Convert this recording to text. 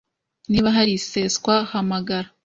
Niba hari iseswa, hamagara.